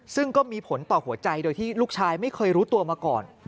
ซึ่งก็มีผลต่อหัวใจโดยที่ลูกชายไม่เคยรู้ตัวมาก่อน